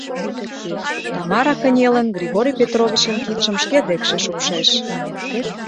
— Тамара, кынелын, Григорий Петровичын кидшым шке декше шупшеш.